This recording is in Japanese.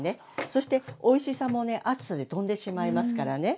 そしておいしさもね熱さで飛んでしまいますからね。